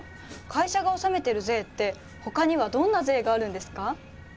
会社が納めてる税って他にはどんな税があるんですか？